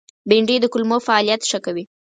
بېنډۍ د کولمو فعالیت ښه کوي